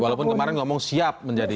walaupun kemarin ngomong siap menjadi